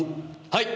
はい！